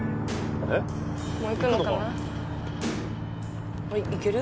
もういくのかな？